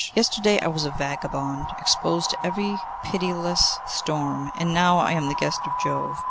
Yesterday I was a vagabond exposed to every pitiless storm, and now I am the guest of Jove.